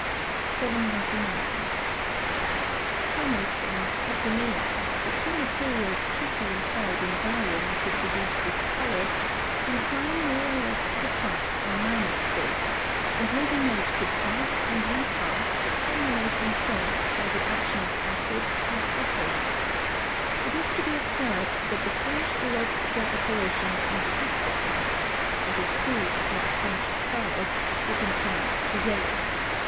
799. Kermes and cochineal, the two materials chiefly employed in dyeing to produce this colour, incline more or less to the plus or minus state, and may be made to pass and repass the culminating point by the action of acids and alkalis: it is to be observed that the French arrest their operations on the active side, as is proved by the French scarlet, which inclines to yellow.